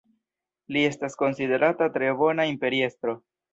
Li estas konsiderata tre bona imperiestro.